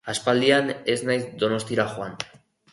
Aspaldian ez naiz Donostiara joan.